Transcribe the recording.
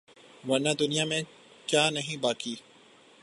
ورنہ دنیا میں کیا نہیں باقی